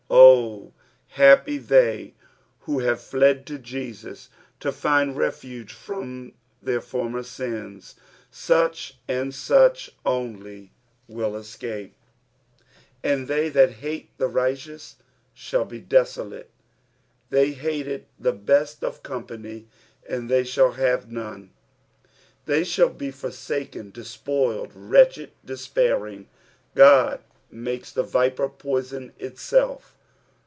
Oh ! happy they who have fied to Jesus to find refuse from their former sins, such, and such only will escape. " Jnd they that hate the righUoa» shall J« deaolate." Tbey bated tbe best of company, and they shall have none ; they shall be for saken, despoiled, wretched, despairing. Qod makes the viper poison itself.